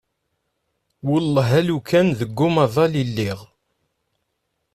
Wellah alukan deg umaḍal i lliɣ.